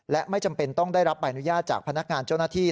และไม่จำเป็นต้องได้รับใบอนุญาตจากพนักงานเจ้าหน้าที่